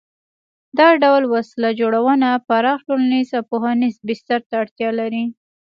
دا ډول وسله جوړونه پراخ ټولنیز او پوهنیز بستر ته اړتیا لري.